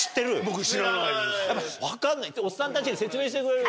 分かんないおっさんたちに説明してくれる？